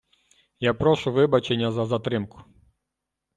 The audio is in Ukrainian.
Я прошу вибачення за затримку!